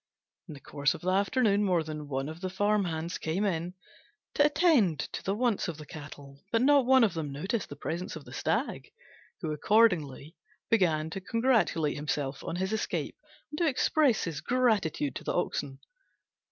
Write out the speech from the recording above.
In the course of the afternoon more than one of the farm hands came in, to attend to the wants of the cattle, but not one of them noticed the presence of the Stag, who accordingly began to congratulate himself on his escape and to express his gratitude to the Oxen.